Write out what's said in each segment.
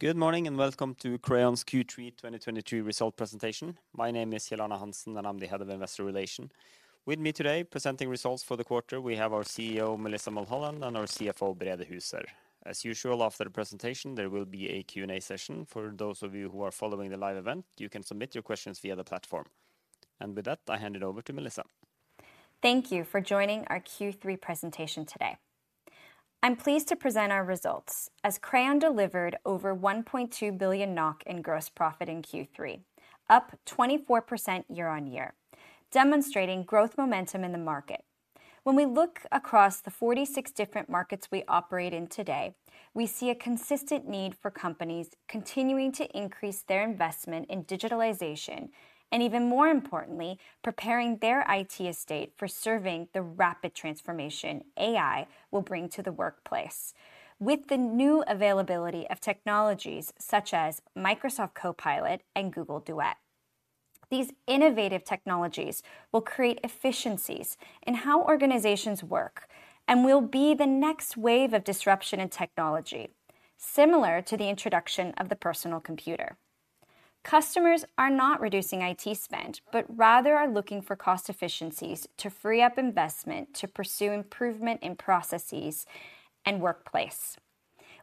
Good morning, and welcome to Crayon's Q3 2023 result presentation. My name is Kjell Arne Hansen, and I'm the Head of Investor Relations. With me today, presenting results for the quarter, we have our CEO, Melissa Mulholland, and our CFO, Brede Huser. As usual, after the presentation, there will be a Q&A session. For those of you who are following the live event, you can submit your questions via the platform. With that, I hand it over to Melissa. Thank you for joining our Q3 presentation today. I'm pleased to present our results, as Crayon delivered over 1.2 billion NOK in gross profit in Q3, up 24% year-on-year, demonstrating growth momentum in the market. When we look across the 46 different markets we operate in today, we see a consistent need for companies continuing to increase their investment in digitalization, and even more importantly, preparing their IT estate for serving the rapid transformation AI will bring to the workplace. With the new availability of technologies such as Microsoft Copilot and Google Duet, these innovative technologies will create efficiencies in how organizations work and will be the next wave of disruption in technology, similar to the introduction of the personal computer. Customers are not reducing IT spend, but rather are looking for cost efficiencies to free up investment to pursue improvement in processes and workplace.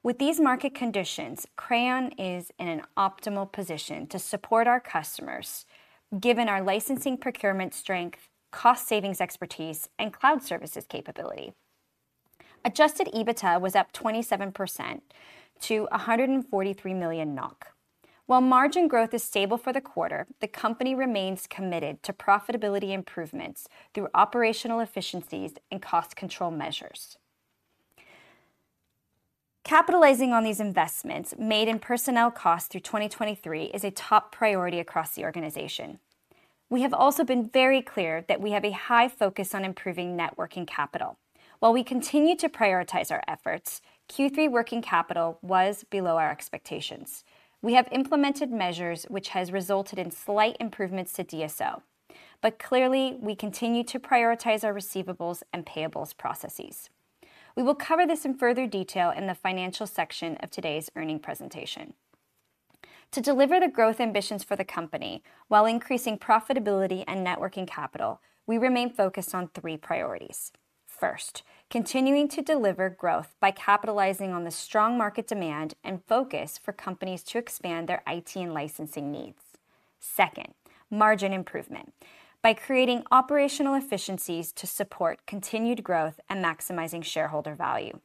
With these market conditions, Crayon is in an optimal position to support our customers, given our licensing procurement strength, cost savings expertise, and cloud services capability. Adjusted EBITDA was up 27% to 143 million NOK. While margin growth is stable for the quarter, the company remains committed to profitability improvements through operational efficiencies and cost control measures. Capitalizing on these investments made in personnel costs through 2023 is a top priority across the organization. We have also been very clear that we have a high focus on improving net working capital. While we continue to prioritize our efforts, Q3 working capital was below our expectations. We have implemented measures which has resulted in slight improvements to DSO, but clearly, we continue to prioritize our receivables and payables processes. We will cover this in further detail in the financial section of today's earnings presentation. To deliver the growth ambitions for the company while increasing profitability and net working capital, we remain focused on 3 priorities. First, continuing to deliver growth by capitalizing on the strong market demand and focus for companies to expand their IT and licensing needs. Second, margin improvement by creating operational efficiencies to support continued growth and maximizing shareholder value.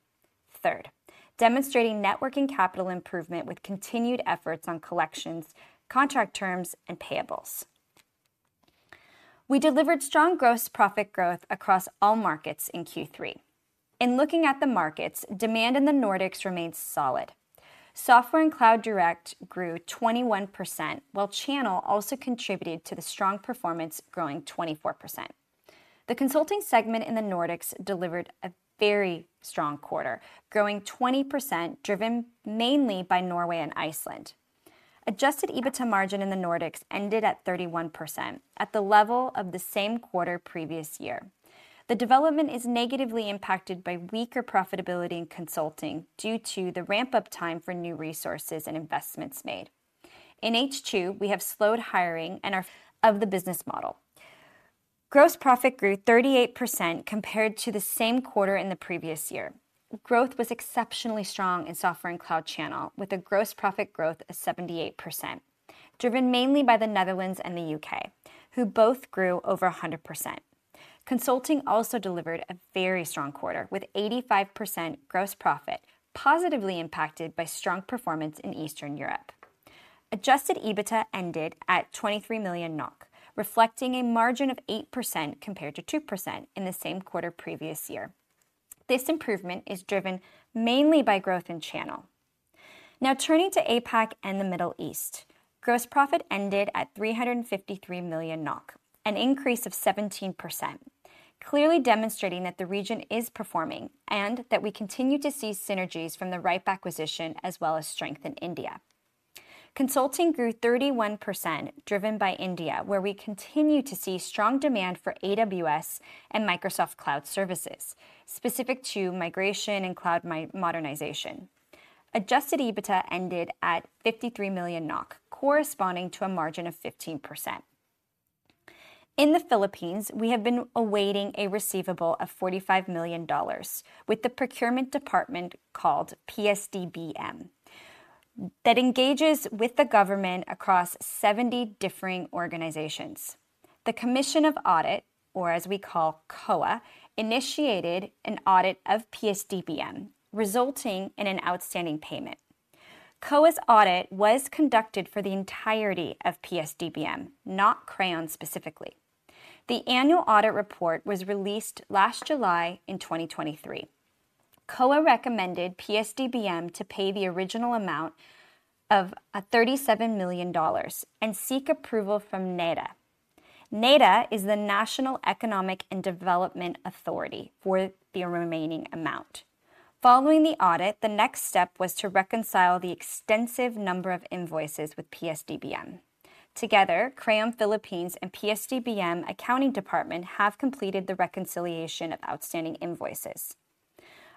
Third, demonstrating net working capital improvement with continued efforts on collections, contract terms, and payables. We delivered strong gross profit growth across all markets in Q3. In looking at the markets, demand in the Nordics remains solid. Software and cloud direct grew 21%, while channel also contributed to the strong performance, growing 24%. The consulting segment in the Nordics delivered a very strong quarter, growing 20%, driven mainly by Norway and Iceland. Adjusted EBITDA margin in the Nordics ended at 31%, at the level of the same quarter previous year. The development is negatively impacted by weaker profitability in consulting due to the ramp-up time for new resources and investments made. In H2, we have slowed hiring. Gross profit grew 38% compared to the same quarter in the previous year. Growth was exceptionally strong in software and cloud channel, with a gross profit growth of 78%, driven mainly by the Netherlands and the UK, who both grew over 100%. Consulting also delivered a very strong quarter, with 85% gross profit, positively impacted by strong performance in Eastern Europe. Adjusted EBITDA ended at 23 million NOK, reflecting a margin of 8% compared to 2% in the same quarter previous year. This improvement is driven mainly by growth in channel. Now turning to APAC and the Middle East, gross profit ended at 353 million NOK, an increase of 17%, clearly demonstrating that the region is performing and that we continue to see synergies from the rhipe acquisition, as well as strength in India. Consulting grew 31%, driven by India, where we continue to see strong demand for AWS and Microsoft Cloud Services, specific to migration and cloud modernization. Adjusted EBITDA ended at 53 million NOK, corresponding to a margin of 15%. In the Philippines, we have been awaiting a receivable of $45 million with the procurement department called PS-DBM, that engages with the government across 70 different organizations. The Commission of Audit, or as we call COA, initiated an audit of PS-DBM, resulting in an outstanding payment. COA's audit was conducted for the entirety of PS-DBM, not Crayon specifically. The annual audit report was released last July in 2023. COA recommended PS-DBM to pay the original amount of $37 million and seek approval from NEDA. NEDA is the National Economic and Development Authority for the remaining amount. Following the audit, the next step was to reconcile the extensive number of invoices with PS-DBM. Together, Crayon Philippines and PS-DBM accounting department have completed the reconciliation of outstanding invoices.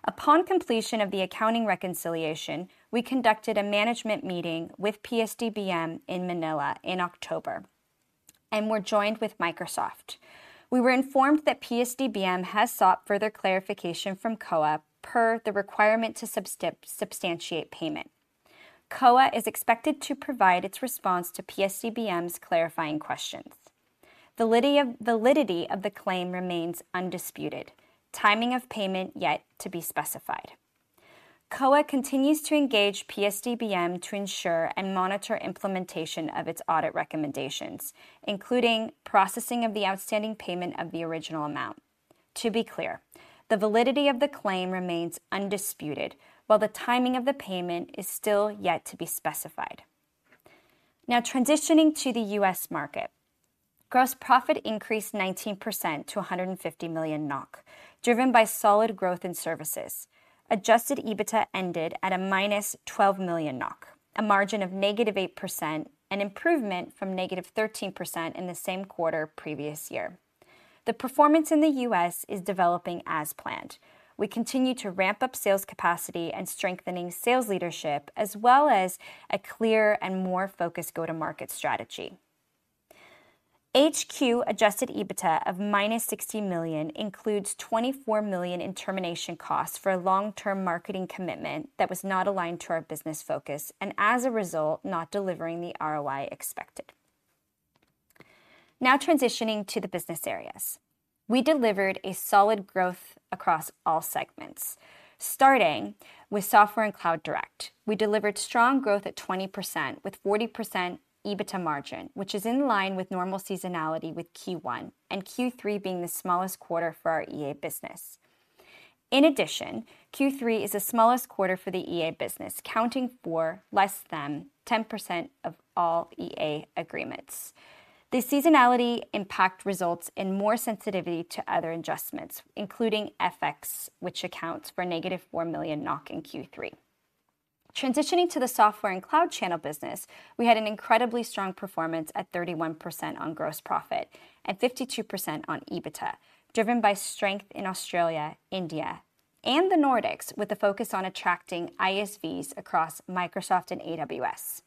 Upon completion of the accounting reconciliation, we conducted a management meeting with PS-DBM in Manila in October, and were joined with Microsoft. We were informed that PS-DBM has sought further clarification from COA per the requirement to substantiate payment. COA is expected to provide its response to PS-DBM's clarifying questions. The validity of the claim remains undisputed, timing of payment yet to be specified. COA continues to engage PS-DBM to ensure and monitor implementation of its audit recommendations, including processing of the outstanding payment of the original amount. To be clear, the validity of the claim remains undisputed, while the timing of the payment is still yet to be specified. Now, transitioning to the U.S. market. Gross profit increased 19% to 150 million NOK, driven by solid growth in services. Adjusted EBITDA ended at -12 million NOK, a margin of -8%, an improvement from -13% in the same quarter previous year. The performance in the U.S. is developing as planned. We continue to ramp up sales capacity and strengthening sales leadership, as well as a clear and more focused go-to-market strategy. HQ adjusted EBITDA of -60 million includes 24 million in termination costs for a long-term marketing commitment that was not aligned to our business focus, and as a result, not delivering the ROI expected. Now transitioning to the business areas. We delivered a solid growth across all segments. Starting with Software and Cloud Direct, we delivered strong growth at 20%, with 40% EBITDA margin, which is in line with normal seasonality with Q1 and Q3 being the smallest quarter for our EA business. In addition, Q3 is the smallest quarter for the EA business, accounting for less than 10% of all EA agreements. The seasonality impact results in more sensitivity to other adjustments, including FX, which accounts for -4 million NOK in Q3. Transitioning to the Software and Cloud Channel business, we had an incredibly strong performance at 31% on gross profit and 52% on EBITDA, driven by strength in Australia, India, and the Nordics, with a focus on attracting ISVs across Microsoft and AWS.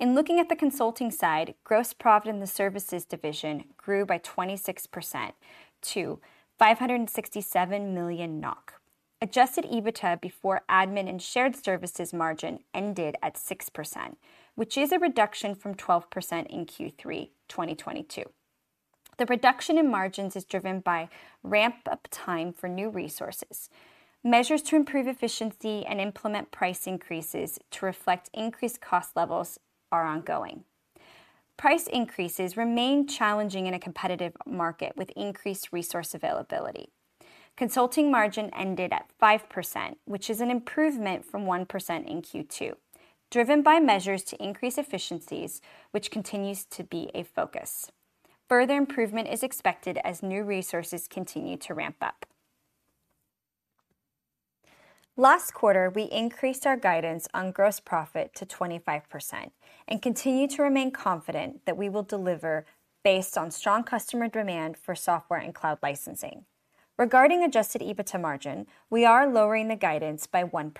In looking at the consulting side, gross profit in the services division grew by 26% to 567 million NOK. Adjusted EBITDA before admin and shared services margin ended at 6%, which is a reduction from 12% in Q3 2022. The reduction in margins is driven by ramp-up time for new resources. Measures to improve efficiency and implement price increases to reflect increased cost levels are ongoing. Price increases remain challenging in a competitive market with increased resource availability. Consulting margin ended at 5%, which is an improvement from 1% in Q2, driven by measures to increase efficiencies, which continues to be a focus. Further improvement is expected as new resources continue to ramp up. Last quarter, we increased our guidance on gross profit to 25% and continue to remain confident that we will deliver based on strong customer demand for software and cloud licensing. Regarding Adjusted EBITDA margin, we are lowering the guidance by 1%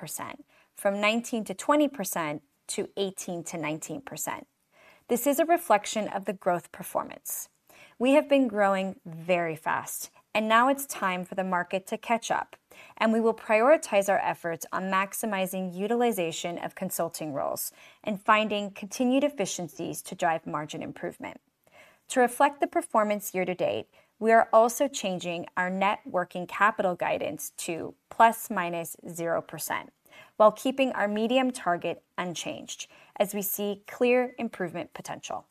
from 19%-20% to 18%-19%. This is a reflection of the growth performance. We have been growing very fast, and now it's time for the market to catch up, and we will prioritize our efforts on maximizing utilization of consulting roles and finding continued efficiencies to drive margin improvement. To reflect the performance year to date, we are also changing our Net Working Capital guidance to ±0%, while keeping our medium target unchanged, as we see clear improvement potential.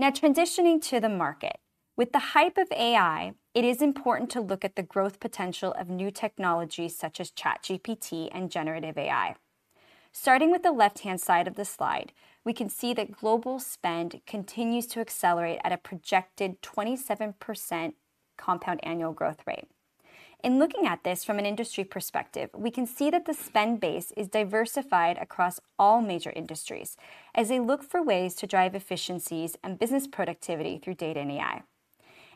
Now transitioning to the market. With the hype of AI, it is important to look at the growth potential of new technologies such as ChatGPT and generative AI. Starting with the left-hand side of the slide, we can see that global spend continues to accelerate at a projected 27% compound annual growth rate. In looking at this from an industry perspective, we can see that the spend base is diversified across all major industries as they look for ways to drive efficiencies and business productivity through data and AI.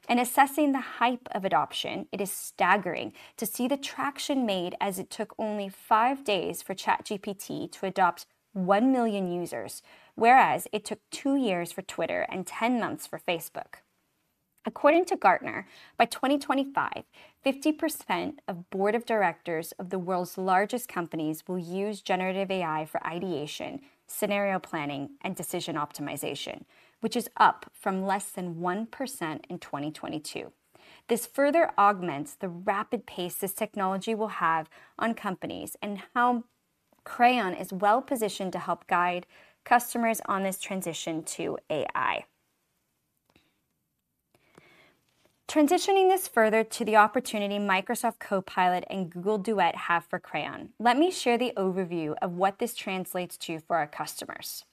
In assessing the hype of adoption, it is staggering to see the traction made as it took only 5 days for ChatGPT to adopt 1 million users, whereas it took 2 years for Twitter and 10 months for Facebook. According to Gartner, by 2025, 50% of board of directors of the world's largest companies will use generative AI for ideation, scenario planning, and decision optimization, which is up from less than 1% in 2022. This further augments the rapid pace this technology will have on companies and how Crayon is well-positioned to help guide customers on this transition to AI. Transitioning this further to the opportunity Microsoft Copilot and Google Duet have for Crayon, let me share the overview of what this translates to for our customers....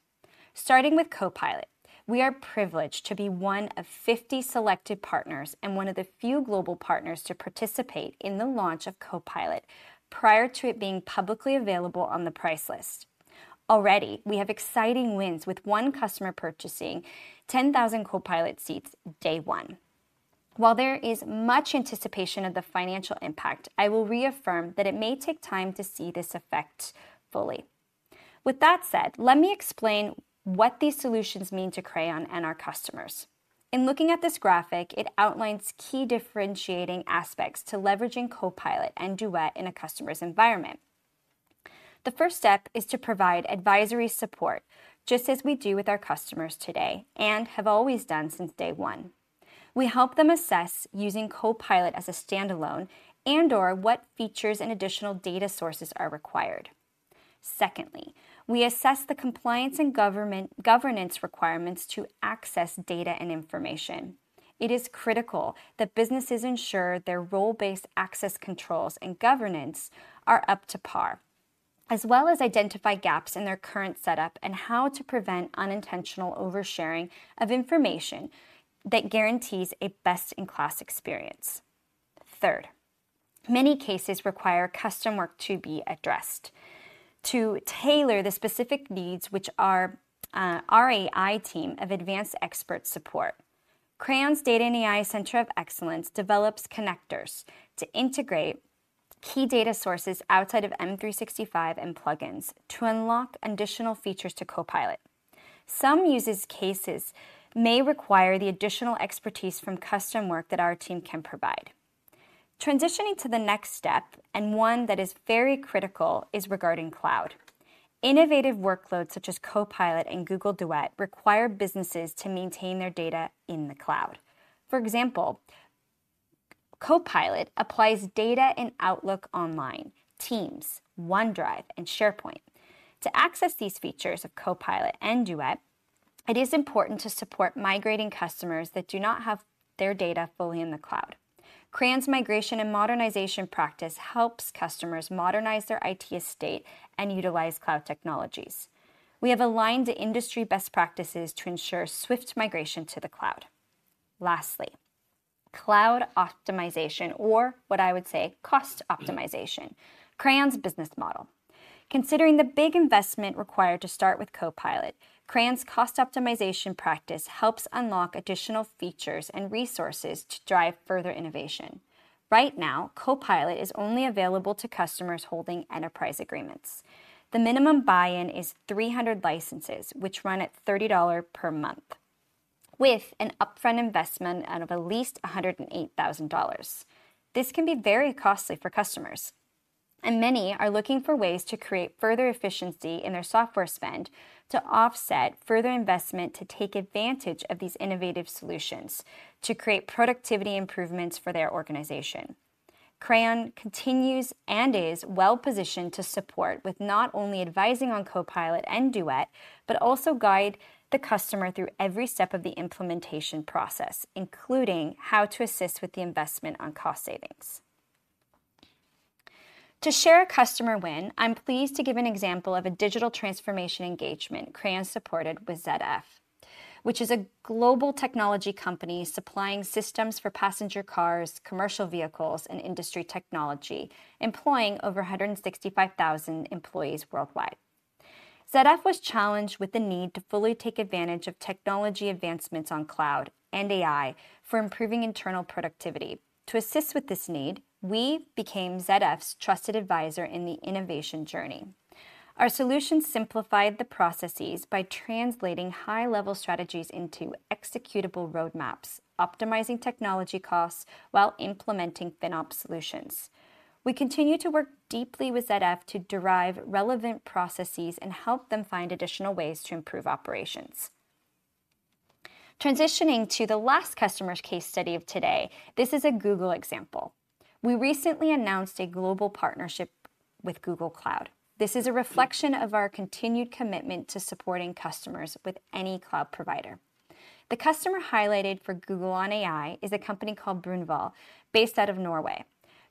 Starting with Copilot, we are privileged to be one of 50 selected partners and one of the few global partners to participate in the launch of Copilot prior to it being publicly available on the price list. Already, we have exciting wins, with one customer purchasing 10,000 Copilot seats day one. While there is much anticipation of the financial impact, I will reaffirm that it may take time to see this effect fully. With that said, let me explain what these solutions mean to Crayon and our customers. In looking at this graphic, it outlines key differentiating aspects to leveraging Copilot and Duet in a customer's environment. The first step is to provide advisory support, just as we do with our customers today and have always done since day one. We help them assess using Copilot as a standalone and/or what features and additional data sources are required. Secondly, we assess the compliance and government, governance requirements to access data and information. It is critical that businesses ensure their role-based access controls and governance are up to par, as well as identify gaps in their current setup and how to prevent unintentional oversharing of information that guarantees a best-in-class experience. Third, many cases require custom work to be addressed to tailor the specific needs, which our, our AI team of advanced experts support. Crayon's Data and AI Center of Excellence develops connectors to integrate key data sources outside of M365 and plugins to unlock additional features to Copilot. Some use cases may require the additional expertise from custom work that our team can provide. Transitioning to the next step, and one that is very critical, is regarding cloud. Innovative workloads such as Copilot and Google Duet require businesses to maintain their data in the cloud. For example, Copilot applies data in Outlook Online, Teams, OneDrive, and SharePoint. To access these features of Copilot and Duet, it is important to support migrating customers that do not have their data fully in the cloud. Crayon's migration and modernization practice helps customers modernize their IT estate and utilize cloud technologies. We have aligned to industry best practices to ensure swift migration to the cloud. Lastly, cloud optimization, or what I would say, cost optimization, Crayon's business model. Considering the big investment required to start with Copilot, Crayon's cost optimization practice helps unlock additional features and resources to drive further innovation. Right now, Copilot is only available to customers holding enterprise agreements. The minimum buy-in is 300 licenses, which run at $30 per month, with an upfront investment of at least $108,000. This can be very costly for customers, and many are looking for ways to create further efficiency in their software spend to offset further investment to take advantage of these innovative solutions to create productivity improvements for their organization. Crayon continues and is well positioned to support with not only advising on Copilot and Duet, but also guide the customer through every step of the implementation process, including how to assist with the investment on cost savings. To share a customer win, I'm pleased to give an example of a digital transformation engagement Crayon supported with ZF, which is a global technology company supplying systems for passenger cars, commercial vehicles, and industry technology, employing over 165,000 employees worldwide. ZF was challenged with the need to fully take advantage of technology advancements on cloud and AI for improving internal productivity. To assist with this need, we became ZF's trusted advisor in the innovation journey. Our solution simplified the processes by translating high-level strategies into executable roadmaps, optimizing technology costs while implementing FinOps solutions. We continue to work deeply with ZF to derive relevant processes and help them find additional ways to improve operations. Transitioning to the last customer's case study of today, this is a Google example. We recently announced a global partnership with Google Cloud. This is a reflection of our continued commitment to supporting customers with any cloud provider. The customer highlighted for Google on AI is a company called Brunvoll, based out of Norway.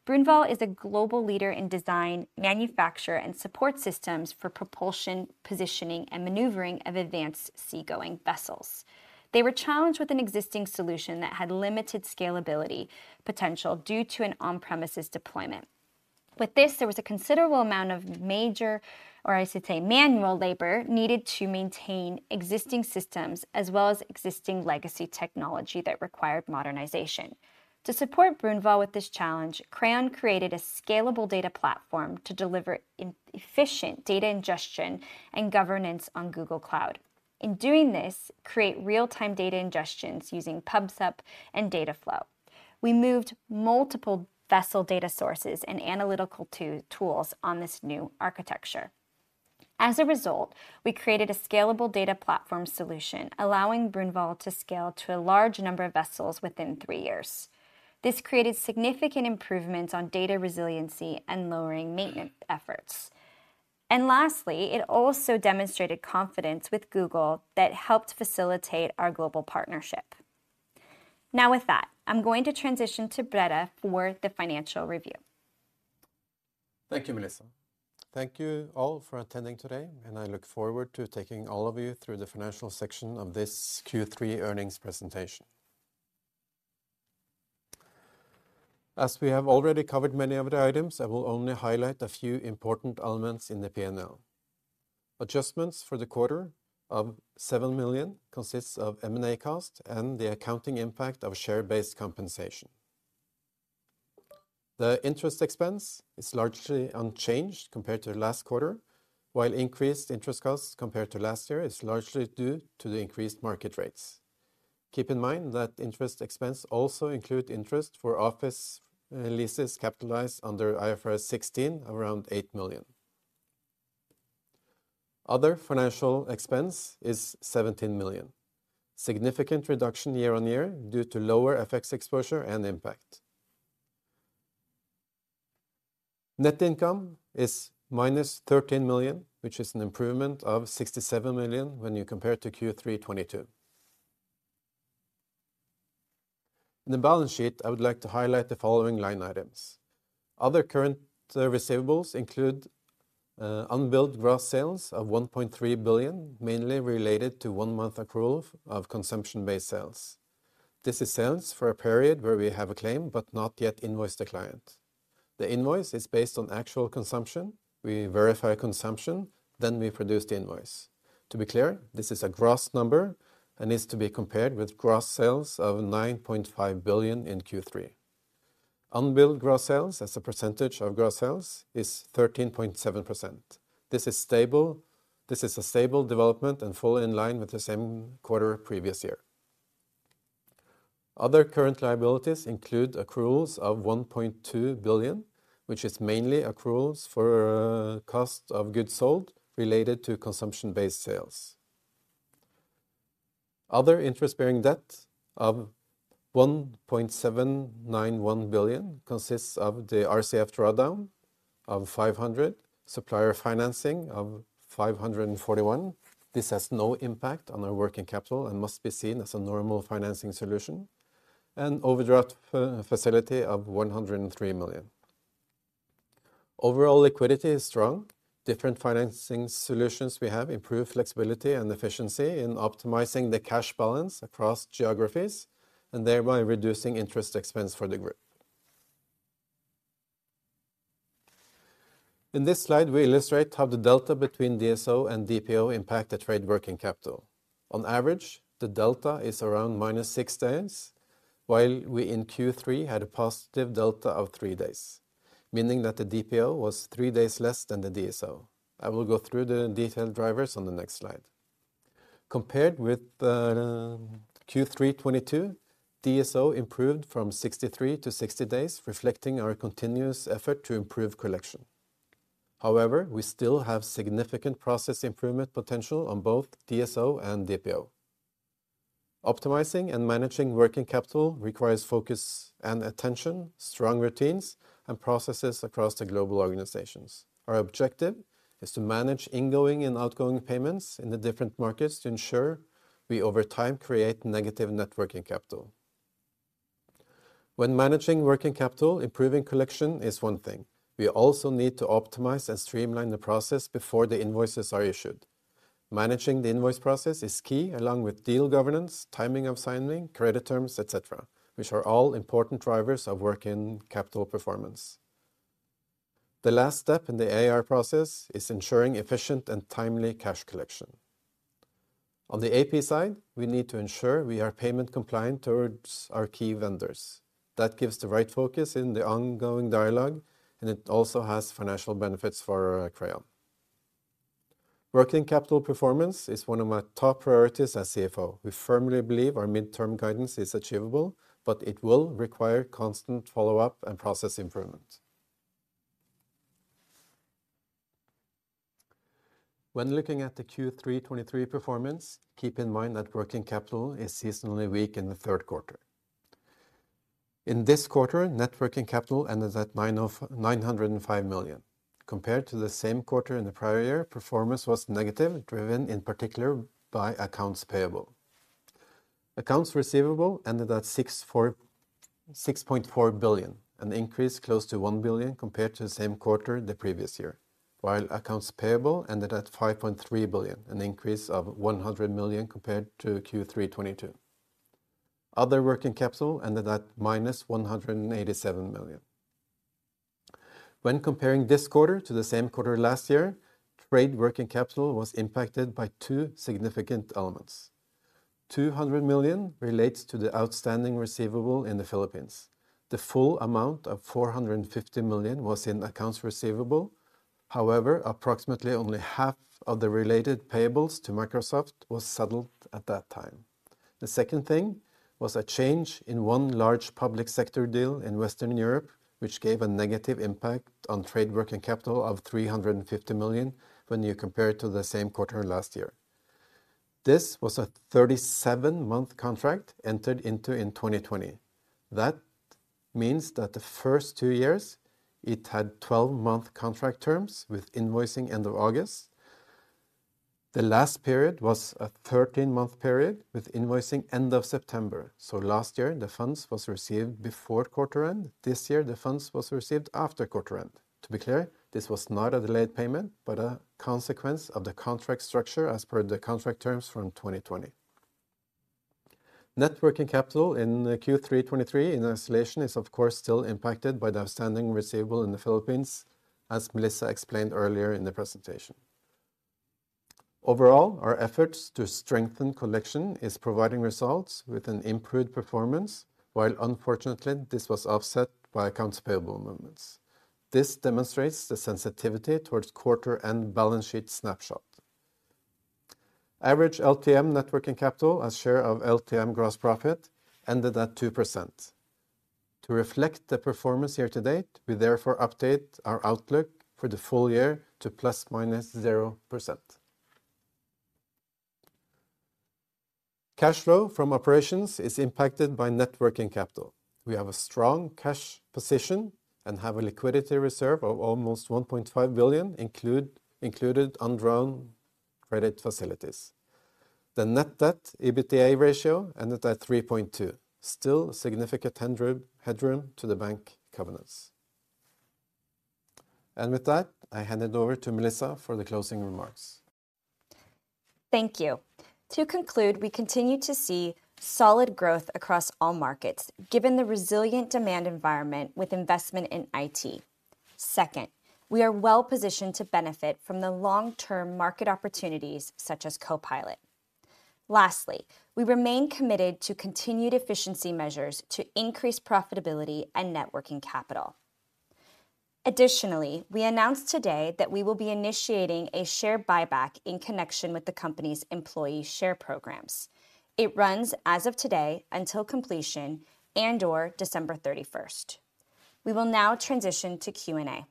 Brunvoll is a global leader in design, manufacture, and support systems for propulsion, positioning, and maneuvering of advanced seagoing vessels. They were challenged with an existing solution that had limited scalability potential due to an on-premises deployment. With this, there was a considerable amount of major, or I should say, manual labor needed to maintain existing systems, as well as existing legacy technology that required modernization. To support Brunvoll with this challenge, Crayon created a scalable data platform to deliver efficient data ingestion and governance on Google Cloud. In doing this, create real-time data ingestions using Pub/Sub and Dataflow. We moved multiple vessel data sources and analytical tools on this new architecture. As a result, we created a scalable data platform solution, allowing Brunvoll to scale to a large number of vessels within three years. This created significant improvements on data resiliency and lowering maintenance efforts. And lastly, it also demonstrated confidence with Google that helped facilitate our global partnership. Now, with that, I'm going to transition to Brede for the financial review.... Thank you, Melissa. Thank you all for attending today, and I look forward to taking all of you through the financial section of this Q3 earnings presentation. As we have already covered many of the items, I will only highlight a few important elements in the P&L. Adjustments for the quarter of 7 million consists of M&A cost and the accounting impact of share-based compensation. The interest expense is largely unchanged compared to last quarter, while increased interest costs compared to last year is largely due to the increased market rates. Keep in mind that interest expense also include interest for office leases capitalized under IFRS 16, around 8 million. Other financial expense is 17 million. Significant reduction year-on-year due to lower FX exposure and impact. Net income is -13 million, which is an improvement of 67 million when you compare it to Q3 2022. In the balance sheet, I would like to highlight the following line items. Other current receivables include unbilled gross sales of 1.3 billion, mainly related to one month accrual of consumption-based sales. This is sales for a period where we have a claim but not yet invoiced the client. The invoice is based on actual consumption. We verify consumption, then we produce the invoice. To be clear, this is a gross number and is to be compared with gross sales of 9.5 billion in Q3. Unbilled gross sales as a percentage of gross sales is 13.7%. This is stable. This is a stable development and fully in line with the same quarter previous year. Other current liabilities include accruals of 1.2 billion, which is mainly accruals for cost of goods sold related to consumption-based sales. Other interest-bearing debt of 1.791 billion consists of the RCF drawdown of 500 million, supplier financing of 541 million. This has no impact on our working capital and must be seen as a normal financing solution, and overdraft facility of 103 million. Overall, liquidity is strong. Different financing solutions we have improved flexibility and efficiency in optimizing the cash balance across geographies and thereby reducing interest expense for the group. In this slide, we illustrate how the delta between DSO and DPO impact the trade working capital. On average, the delta is around -6 days, while we in Q3 had a positive delta of 3 days, meaning that the DPO was 3 days less than the DSO. I will go through the detailed drivers on the next slide. Compared with Q3 2022, DSO improved from 63 to 60 days, reflecting our continuous effort to improve collection. However, we still have significant process improvement potential on both DSO and DPO. Optimizing and managing working capital requires focus and attention, strong routines, and processes across the global organizations. Our objective is to manage ingoing and outgoing payments in the different markets to ensure we, over time, create negative net working capital. When managing working capital, improving collection is one thing. We also need to optimize and streamline the process before the invoices are issued. Managing the invoice process is key, along with deal governance, timing of signing, credit terms, et cetera, which are all important drivers of working capital performance. The last step in the AR process is ensuring efficient and timely cash collection. On the AP side, we need to ensure we are payment compliant towards our key vendors. That gives the right focus in the ongoing dialogue, and it also has financial benefits for Crayon. Working capital performance is one of my top priorities as CFO. We firmly believe our midterm guidance is achievable, but it will require constant follow-up and process improvement. When looking at the Q3 2023 performance, keep in mind that working capital is seasonally weak in the third quarter. In this quarter, net working capital ended at 905 million. Compared to the same quarter in the prior year, performance was negative, driven in particular by accounts payable. Accounts receivable ended at 6.4 billion, an increase close to 1 billion compared to the same quarter the previous year, while accounts payable ended at 5.3 billion, an increase of 100 million compared to Q3 2022. Other working capital ended at -187 million. When comparing this quarter to the same quarter last year, trade working capital was impacted by two significant elements. 200 million relates to the outstanding receivable in the Philippines. The full amount of 450 million was in accounts receivable. However, approximately only half of the related payables to Microsoft was settled at that time. The second thing was a change in one large public sector deal in Western Europe, which gave a negative impact on trade working capital of 350 million when you compare it to the same quarter last year. This was a 37-month contract entered into in 2020. That means that the first two years, it had 12-month contract terms with invoicing end of August. The last period was a 13-month period with invoicing end of September. So last year, the funds was received before quarter end. This year, the funds was received after quarter end. To be clear, this was not a delayed payment, but a consequence of the contract structure as per the contract terms from twenty twenty. Net working capital in Q3 2023, in isolation, is of course, still impacted by the outstanding receivable in the Philippines, as Melissa explained earlier in the presentation. Overall, our efforts to strengthen collection is providing results with an improved performance, while unfortunately, this was offset by accounts payable movements. This demonstrates the sensitivity towards quarter and balance sheet snapshot. Average LTM net working capital, as share of LTM gross profit, ended at 2%. To reflect the performance year to date, we therefore update our outlook for the full year to ±0%. Cash flow from operations is impacted by net working capital. We have a strong cash position and have a liquidity reserve of almost 1.5 billion, included undrawn credit facilities. The net debt EBITDA ratio ended at 3.2, still significant headroom to the bank covenants. And with that, I hand it over to Melissa for the closing remarks. Thank you. To conclude, we continue to see solid growth across all markets, given the resilient demand environment with investment in IT. Second, we are well positioned to benefit from the long-term market opportunities, such as Copilot. Lastly, we remain committed to continued efficiency measures to increase profitability and Net Working Capital. Additionally, we announced today that we will be initiating a share buyback in connection with the company's employee share programs. It runs as of today until completion and/or December thirty-first. We will now transition to Q&A.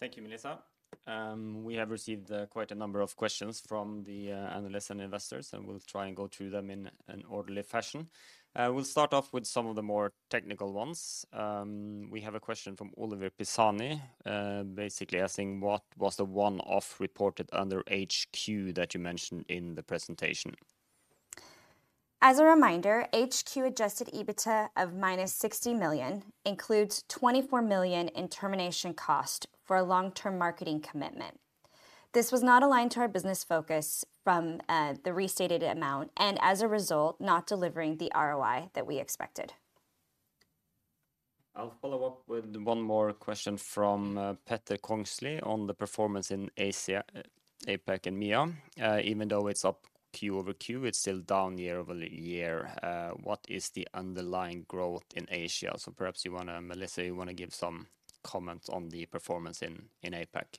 Thank you, Melissa. We have received quite a number of questions from the analysts and investors, and we'll try and go through them in an orderly fashion. We'll start off with some of the more technical ones. We have a question from Oliver Pisani, basically asking: What was the one-off reported under HQ that you mentioned in the presentation? As a reminder, HQ Adjusted EBITDA of -60 million includes 24 million in termination cost for a long-term marketing commitment. This was not aligned to our business focus from the restated amount, and as a result, not delivering the ROI that we expected. I'll follow up with one more question from Peter Kongsli on the performance in Asia, APAC and MEA. Even though it's up Q over Q, it's still down year over year. What is the underlying growth in Asia? So perhaps you wanna, Melissa, you wanna give some comments on the performance in, in APAC?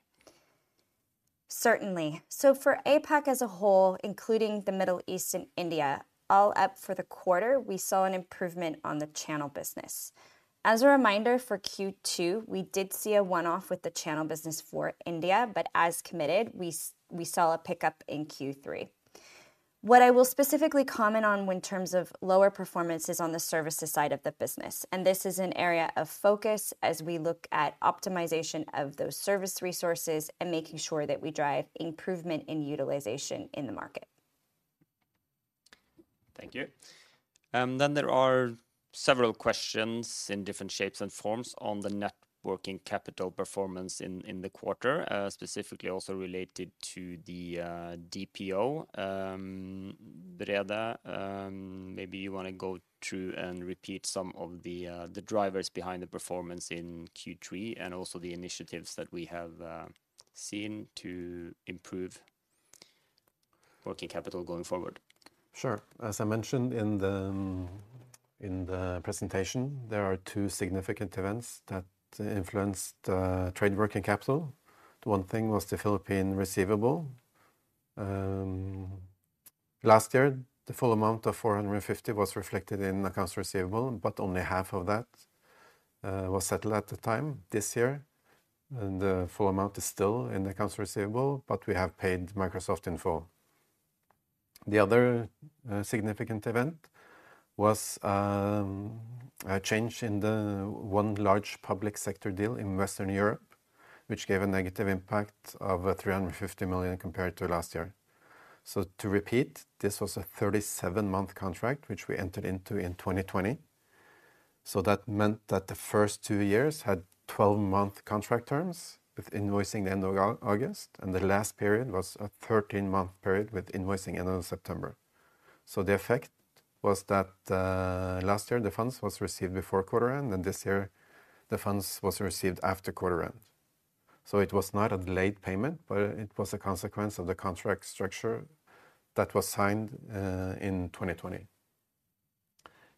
Certainly. So for APAC as a whole, including the Middle East and India, all up for the quarter, we saw an improvement on the channel business. As a reminder, for Q2, we did see a one-off with the channel business for India, but as committed, we saw a pickup in Q3. What I will specifically comment on in terms of lower performance is on the services side of the business, and this is an area of focus as we look at optimization of those service resources and making sure that we drive improvement in utilization in the market. Thank you. Then there are several questions in different shapes and forms on the Net Working Capital performance in the quarter, specifically also related to the DPO. Brede, maybe you want to go through and repeat some of the drivers behind the performance in Q3 and also the initiatives that we have seen to improve working capital going forward. Sure. As I mentioned in the presentation, there are two significant events that influenced trade working capital. One thing was the Philippine receivable. Last year, the full amount of 450 million was reflected in accounts receivable, but only half of that was settled at the time. This year, the full amount is still in accounts receivable, but we have paid Microsoft in full. The other significant event was a change in the one large public sector deal in Western Europe, which gave a negative impact of 350 million compared to last year. So to repeat, this was a 37-month contract, which we entered into in 2020. So that meant that the first two years had 12-month contract terms, with invoicing the end of August, and the last period was a 13-month period, with invoicing end of September. So the effect was that last year, the funds was received before quarter end, and this year, the funds was received after quarter end. So it was not a delayed payment, but it was a consequence of the contract structure that was signed in 2020.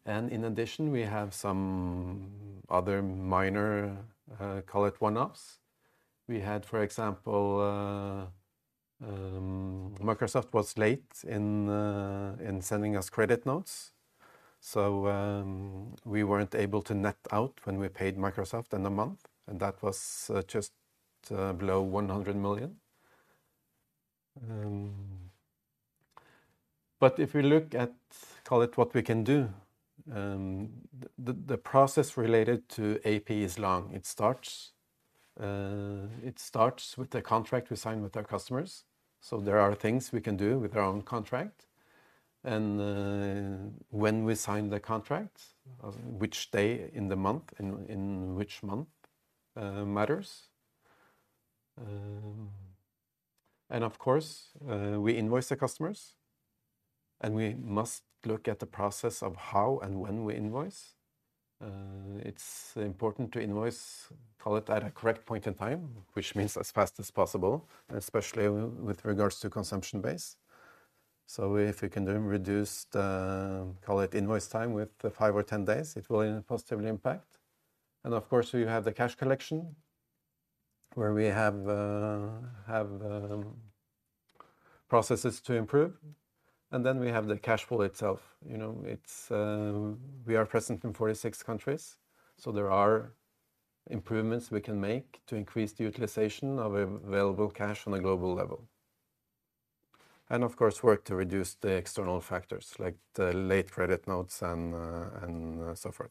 And in addition, we have some other minor call it one-offs. We had, for example, Microsoft was late in sending us credit notes, so we weren't able to net out when we paid Microsoft in a month, and that was just below 100 million. But if we look at, call it, what we can do, the process related to AP is long. It starts with the contract we sign with our customers, so there are things we can do with our own contract. And when we sign the contract, of which day in the month and in which month matters. And of course, we invoice the customers, and we must look at the process of how and when we invoice. It's important to invoice, call it, at a correct point in time, which means as fast as possible, especially with regards to consumption base. So if we can then reduce the, call it, invoice time with 5-10 days, it will positively impact. Of course, we have the cash collection, where we have processes to improve, and then we have the cash flow itself. You know, it's... We are present in 46 countries, so there are improvements we can make to increase the utilization of available cash on a global level. And of course, work to reduce the external factors, like the late credit notes and so forth.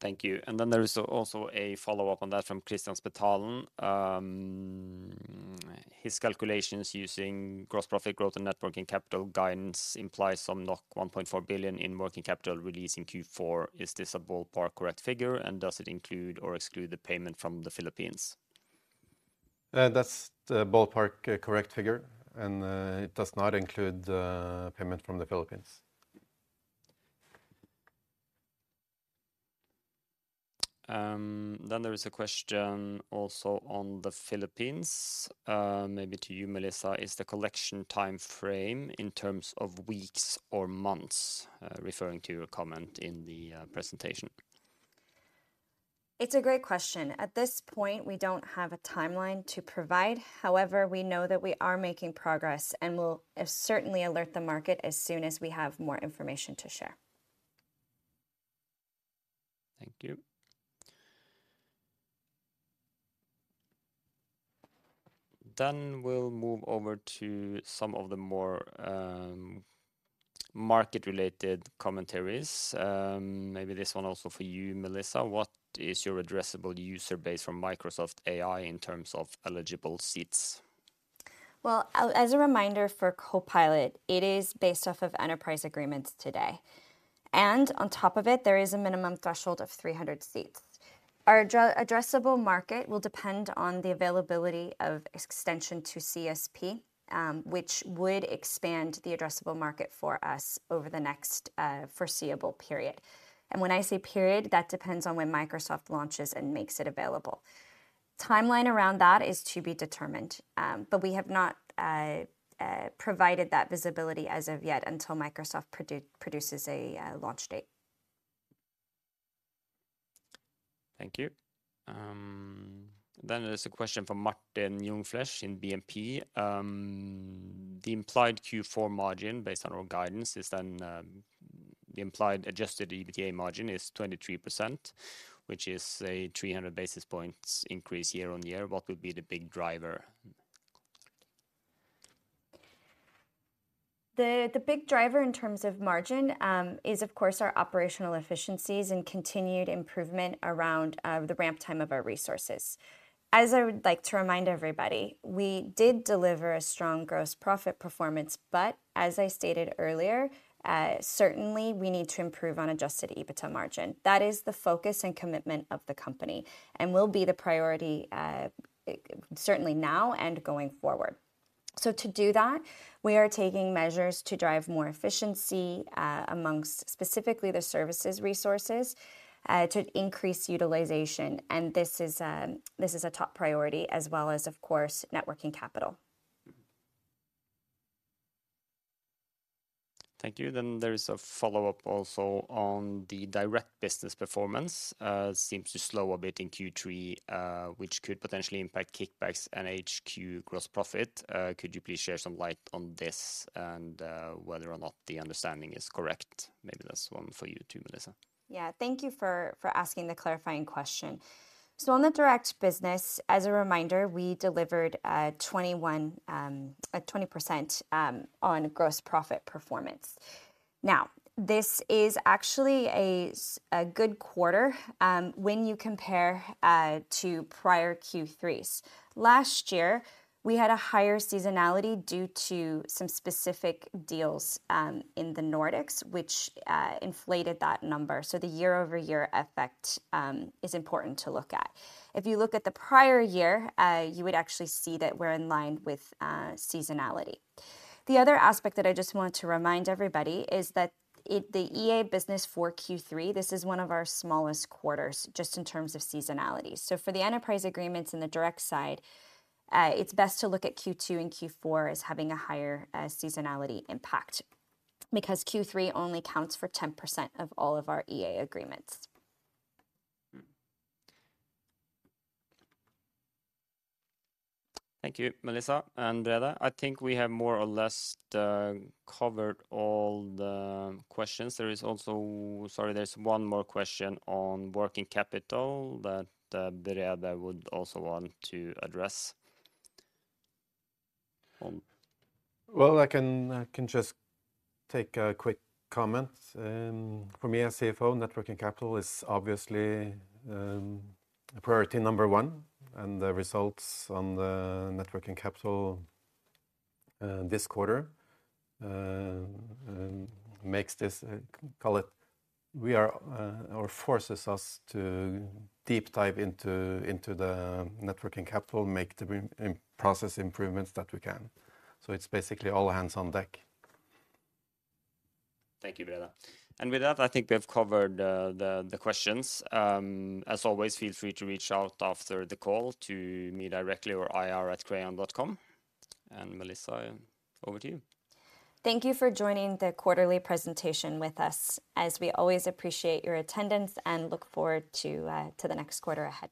Thank you. And then there is also a follow-up on that from Kristian Spetalen. His calculations using gross profit growth and net working capital guidance implies some 1.4 billion in working capital release in Q4. Is this a ballpark correct figure, and does it include or exclude the payment from the Philippines? That's the ballpark, correct figure, and it does not include payment from the Philippines. Then there is a question also on the Philippines, maybe to you, Melissa: "Is the collection timeframe in terms of weeks or months?" referring to your comment in the presentation. It's a great question. At this point, we don't have a timeline to provide. However, we know that we are making progress, and we'll certainly alert the market as soon as we have more information to share. Thank you. Then we'll move over to some of the more, market-related commentaries. Maybe this one also for you, Melissa. "What is your addressable user base from Microsoft AI in terms of eligible seats? Well, as a reminder for Copilot, it is based off of enterprise agreements today. On top of it, there is a minimum threshold of 300 seats. Our addressable market will depend on the availability of extension to CSP, which would expand the addressable market for us over the next foreseeable period. When I say period, that depends on when Microsoft launches and makes it available. Timeline around that is to be determined, but we have not provided that visibility as of yet until Microsoft produces a launch date. Thank you. Then there's a question from Martin Ljungdahl in BNP. The implied Q4 margin, based on our guidance, is then, the implied Adjusted EBITDA margin is 23%, which is a 300 basis points increase year-on-year. What would be the big driver? The big driver in terms of margin is, of course, our operational efficiencies and continued improvement around the ramp time of our resources. As I would like to remind everybody, we did deliver a strong gross profit performance, but as I stated earlier, certainly, we need to improve on adjusted EBITDA margin. That is the focus and commitment of the company and will be the priority, certainly now and going forward. So to do that, we are taking measures to drive more efficiency amongst specifically the services resources to increase utilization, and this is a top priority, as well as, of course, net working capital. Thank you. Then there is a follow-up also on the direct business performance. "Seems to slow a bit in Q3, which could potentially impact kickbacks and HQ gross profit. Could you please shed some light on this and whether or not the understanding is correct?" Maybe that's one for you, too, Melissa. Yeah. Thank you for asking the clarifying question. So on the direct business, as a reminder, we delivered 21% on gross profit performance. Now, this is actually a good quarter when you compare to prior Q3s. Last year, we had a higher seasonality due to some specific deals in the Nordics, which inflated that number, so the year-over-year effect is important to look at. If you look at the prior year, you would actually see that we're in line with seasonality. The other aspect that I just want to remind everybody is that the EA business for Q3, this is one of our smallest quarters, just in terms of seasonality. So for the enterprise agreements in the direct side, it's best to look at Q2 and Q4 as having a higher seasonality impact, because Q3 only counts for 10% of all of our EA agreements. Thank you, Melissa and Brede. I think we have more or less covered all the questions. There is also... Sorry, there's one more question on working capital that Brede would also want to address. Well, I can just take a quick comment. For me as CFO, net working capital is obviously priority number one, and the results on the net working capital this quarter makes this, call it, or forces us to deep dive into the net working capital, make the process improvements that we can. So it's basically all hands on deck. Thank you, Brede. And with that, I think we've covered the questions. As always, feel free to reach out after the call to me directly or ir@crayon.com. And Melissa, over to you. Thank you for joining the quarterly presentation with us. As we always appreciate your attendance and look forward to the next quarter ahead.